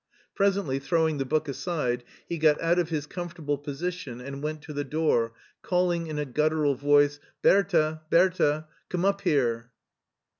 Presently, throwing the book aside, he got out of his comfortable position and went to the door, calling in a guttural voice, " Bertah ! Bertah ! Come up here